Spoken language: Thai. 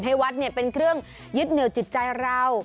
ให้วัดเป็นเครื่องยึดเหนียวจิตใจเรา